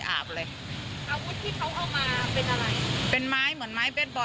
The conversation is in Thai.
อาบเลยอาวุธที่เขาเอามาเป็นอะไรเป็นไม้เหมือนไม้เบสบอล